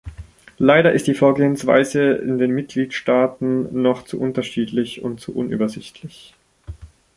Leider ist die Vorgehensweise in den Mitgliedstaaten noch zu unterschiedlich und zu unübersichtlich.